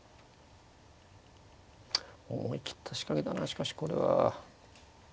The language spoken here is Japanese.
思い切った仕掛けだなしかしこれは。